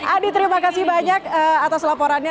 adi terima kasih banyak atas laporannya